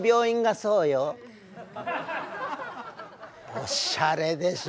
おしゃれでしょ？